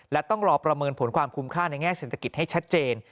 และต้องรอประเมินผลความคุ้มค่าในแง่เศรษฐกิจให้ชัดเจน